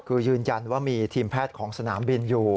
คือยืนยันว่ามีทีมแพทย์ของสนามบินอยู่